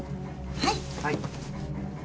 はい。